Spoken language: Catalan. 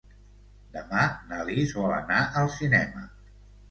Demà na Lis vol anar al cinema.